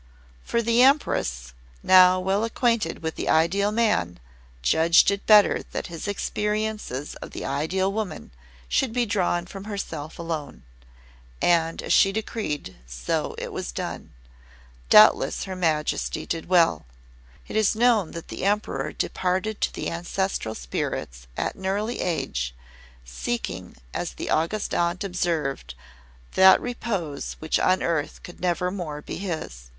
For the Empress, now well acquainted with the Ideal Man, judged it better that his experiences of the Ideal Woman should be drawn from herself alone. And as she decreed, so it was done. Doubtless Her Majesty did well. It is known that the Emperor departed to the Ancestral Spirits at an early age, seeking, as the August Aunt observed, that repose which on earth could never more be his.